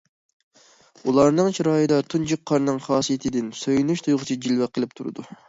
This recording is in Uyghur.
ئۇلارنىڭ چىرايىدا تۇنجى قارنىڭ خاسىيىتىدىن سۆيۈنۈش تۇيغۇسى جىلۋە قىلىپ تۇرىدۇ.